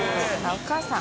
お母さん。